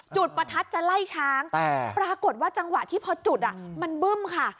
จุดประทัดจะไล่ช้างปรากฏว่าจังหวะที่พอจุดมันบึ้มค่ะ